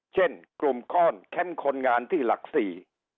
เช่นกลุ่มก้อนแคมป์คนงานที่หลักสี่